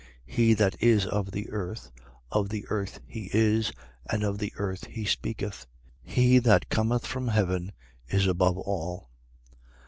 He that is of the earth, of the earth he is, and of the earth he speaketh. He that cometh from heaven is above all.